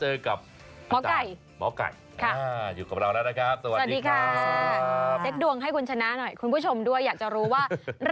แหมไม่กระเชื่อ